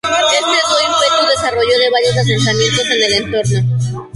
Esto dio ímpetu al desarrollo de varios asentamientos en el entorno.